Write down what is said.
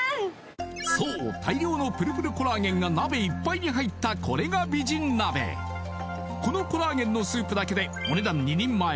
そう大量のぷるぷるコラーゲンが鍋いっぱいに入ったこれが美人鍋このコラーゲンのスープだけでお値段２人前